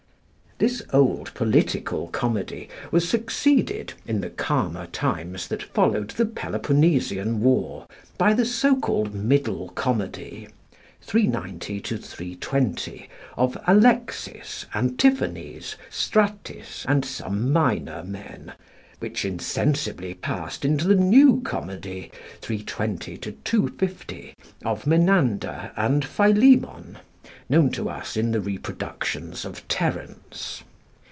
This old political Comedy was succeeded in the calmer times that followed the Peloponnesian War by the so called Middle Comedy (390 320) of Alexis, Antiphanes, Strattis, and some minor men; which insensibly passed into the New Comedy (320 250) of Menander and Philemon, known to us in the reproductions of Terence.